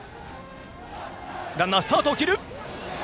ランナー、スタートを切る！